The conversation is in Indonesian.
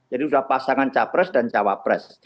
jadi sudah pasangan cawapres dan cawapres